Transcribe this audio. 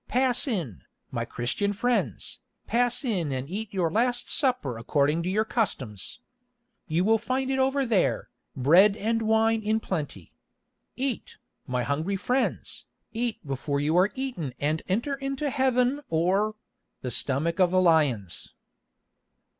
"Pass in, my Christian friends, pass in and eat your last supper according to your customs. You will find it over there, bread and wine in plenty. Eat, my hungry friends, eat before you are eaten and enter into Heaven or—the stomach of the lions."